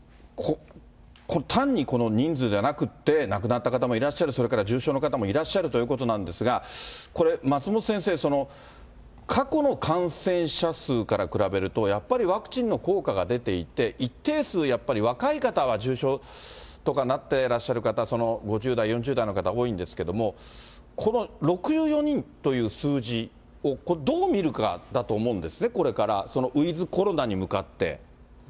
単にこの人数じゃなくて、亡くなった方もいらっしゃる、それから重症の方もいらっしゃるということなんですが、これ、松本先生、過去の感染者数から比べるとやっぱりワクチンの効果が出ていて、一定数、やっぱり若い方は重症とかなってらっしゃる方、５０代、４０代の方、多いんですけれども、この６４人という数字をどう見るかだと思うんですね、これから、ウィズコロナに向かって。